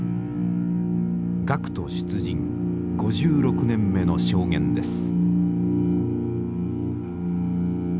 学徒出陣５６年目の証言です。